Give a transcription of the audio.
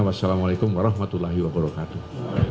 wassalamu'alaikum warahmatullahi wabarakatuh